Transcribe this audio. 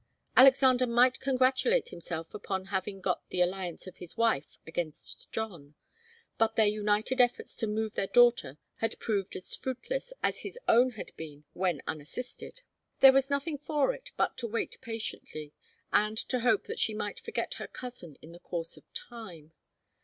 Alexander might congratulate himself upon having got the alliance of his wife against John, but their united efforts to move their daughter had proved as fruitless as his own had been when unassisted. There was nothing for it but to wait patiently, and to hope that she might forget her cousin in the course of time.